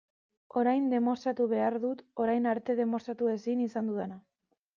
Orain demostratu behar dut orain arte demostratu ezin izan dudana.